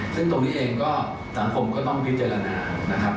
ซึ่งตรงนี้เองก็สังคมก็ต้องพิจารณานะครับ